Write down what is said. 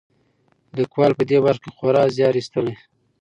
لیکوال په دې برخه کې خورا زیار ایستلی.